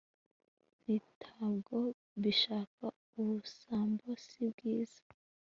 ntintabwo mbishaka, ubusambo si bwiza